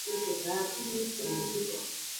د دې سپکو ټيټې سورې وړي